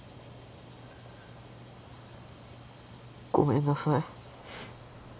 ごめんなさい。